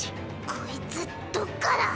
こいつどっから？